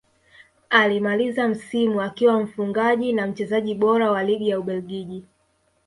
Alimaliza msimu akiwa mfungaji na mchezaji bora wa ligi ya ubelgiji